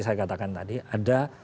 saya katakan tadi ada